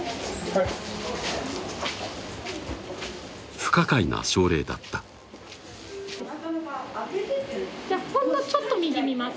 はい不可解な症例だったじゃあほんのちょっと右見ます